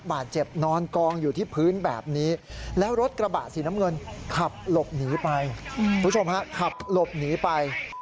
ขับหลบหนีไปคุณผู้ชมฮะขับหลบหนีไป